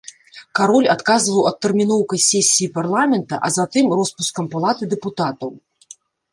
Кароль адказваў адтэрміноўкай сесіі парламента, а затым роспускам палаты дэпутатаў.